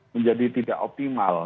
menjadi tidak optimal